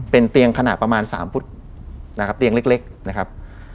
เป็นเตียงขนาดประมาณ๓ฟุตนะครับเตียงเล็กนะครับ